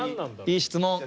いい質問。